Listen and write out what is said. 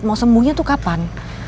mau sembuhnya tuh kapan